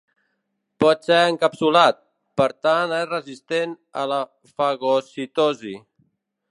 Pot ser encapsulat, per tant és resistent a la fagocitosi.